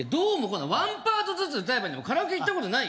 ワンパートずつ歌えばいいカラオケ行ったことない？